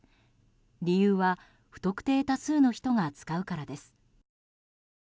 理由は不特定多数の人が使うからです。